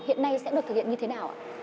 rồi thực hiện như thế nào ạ